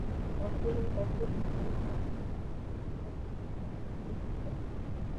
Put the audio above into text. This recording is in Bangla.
অস্ট্রেলিয়ার পক্ষে টেস্ট ক্রিকেটে অংশগ্রহণকারী কেন আর্চার সম্পর্কে তার কনিষ্ঠ ভ্রাতা ছিলেন।